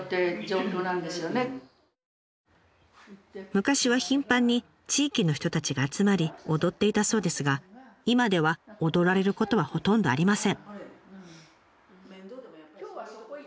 昔は頻繁に地域の人たちが集まり踊っていたそうですが今では踊られることはほとんどありません。